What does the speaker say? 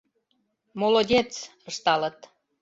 «Молодец! — ышталыт.